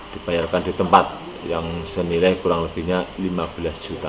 dibayarkan di tempat yang senilai kurang lebihnya lima belas juta